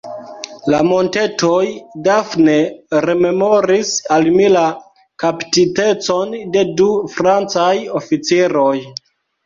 La montetoj Dafne rememoris al mi la kaptitecon de du Francaj oficiroj.